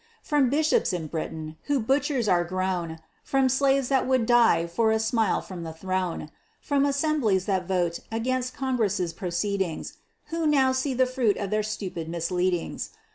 From bishops in Britain, who butchers are grown, From slaves that would die for a smile from the throne, From assemblies that vote against Congress' proceedings (Who now see the fruit of their stupid misleadings).